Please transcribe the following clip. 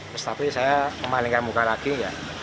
terus tapi saya memalingkan muka lagi ya